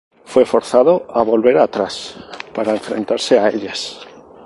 Fue forzado a volver atrás para enfrentarse a ellas.